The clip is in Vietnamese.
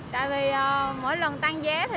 tại vì mỗi lần tăng giá